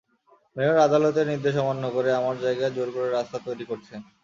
Mayor আদালতের নির্দেশ অমান্য করে আমার জায়গায় জোর করে রাস্তা তৈরি করছেন।